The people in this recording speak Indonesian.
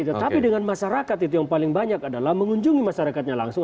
tetapi dengan masyarakat itu yang paling banyak adalah mengunjungi masyarakatnya langsung